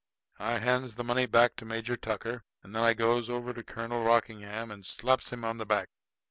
I hands the money back to Major Tucker; and then I goes over to Colonel Rockingham and slaps him on the back.